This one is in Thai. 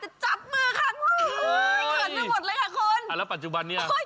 จะจับมือค่ะทานนี้หมดเลยค่ะ